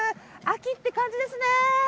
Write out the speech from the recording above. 秋って感じですね。